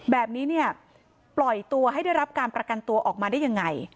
แบบนี้เนี่ยปล่อยตัวให้ได้รับการประกันตัวออกมาได้ยังไง